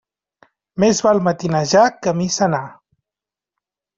Més val matinejar que a missa anar.